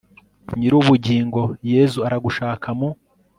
nyir'ubugingo, yezu aragushaka mu